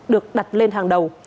được đặt lên hàng đầu